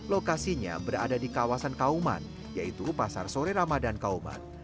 lokasinya berada di kawasan kauman yaitu pasar sore ramadhan kauman